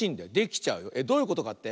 えっどういうことかって？